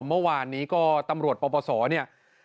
เมื่อวานนี้ก็ตำรวจปปศเนี่ย